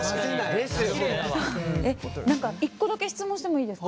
何か１個だけ質問してもいいですか？